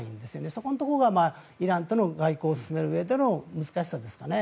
そこのところがイランとの外交を進めるうえでの難しさですかね。